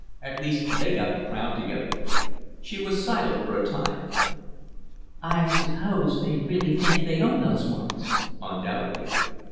At least they got the crowd together." She was silent for a time. "I suppose they really think they own those mines." "Undoubtedly."